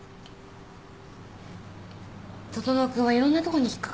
整君はいろんなとこに引っ掛かるな。